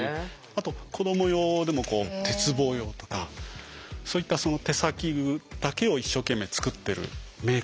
あと子ども用でも鉄棒用とかそういった手先だけを一生懸命つくってるメーカーもあるんですよ。